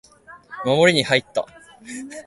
守りに入った